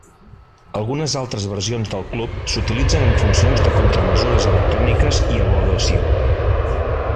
Algunes altres versions del Cub s'utilitzen en funcions de contramesures electròniques i avaluació.